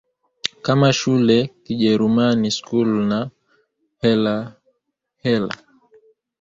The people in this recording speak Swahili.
kama shule Kijerumani Schule na hela Heller